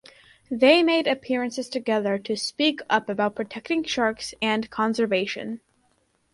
They made appearances together to speak about protecting sharks and conservation.